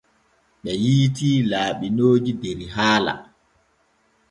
Ɓe yiitii laaɓinooji der haala.